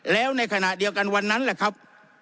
แล้วในขณะเดียวกันวันนั้นแหละครับ